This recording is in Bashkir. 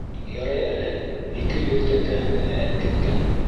— Ярай әле ике йөҙ тәңкәһен генә әпкиткән...